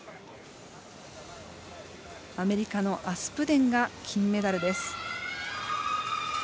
アメリカのアスプデンが金メダルです。